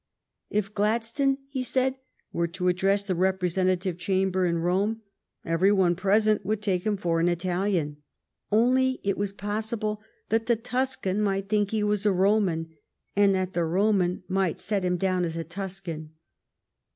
If Gladstone, he said, were to address the representative cham ber in Rome, every one present would take him for an Italian — only it was possible that the Tus can might think he was a Roman, and that the Roman would set him down as a Tuscan.